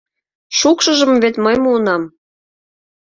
— Шукшыжым вет мый муынам.